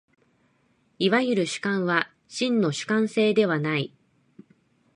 いわゆる主観は真の主観性ではない。